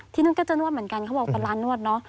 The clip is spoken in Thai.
ที่นู่นก็จะนวดเหมือนกันเขาบอกเป็นร้านนวดเนอะ